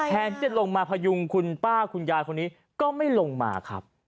แทนที่จะลงมาพยุงคุณป้าคุณยายคนนี้ก็ไม่ลงมาครับ